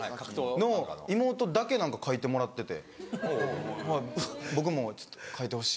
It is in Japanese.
妹だけ何か描いてもらってて僕も描いてほしい。